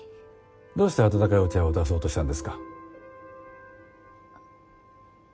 どうして温かいお茶を出そうとしたんですか？